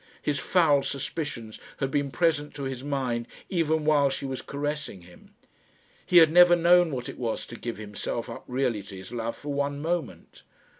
His foul suspicions had been present to his mind even while she was caressing him. He had never known what it was to give himself up really to his love for one moment.